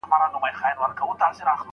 انتيک پلورونکي ساعت رد نه کړ.